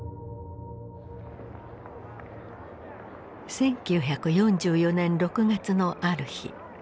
１９４４年６月のある日。